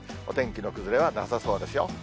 お天気の崩れはなさそうですよ。